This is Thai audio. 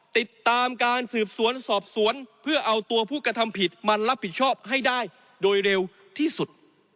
ติดตามการสืบสวนสอบสวนเพื่อเอาตัวผู้กระทำผิดมารับผิดชอบให้ได้โดยเร็วที่สุด